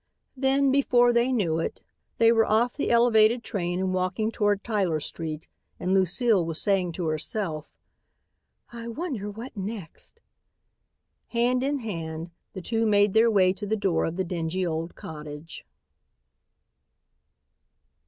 Then, before they knew it, they were off the elevated train and walking toward Tyler street and Lucile was saying to herself, "I wonder what next." Hand in hand the two made their way to the door of the dingy old cottage.